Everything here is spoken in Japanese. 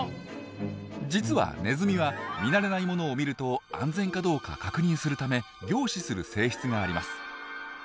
実はネズミは見慣れないものを見ると安全かどうか確認するため凝視する性質があります。